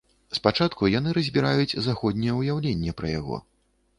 Спачатку яны разбіраюць заходняе ўяўленне пра яго.